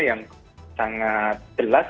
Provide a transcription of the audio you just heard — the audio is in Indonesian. yang sangat jelas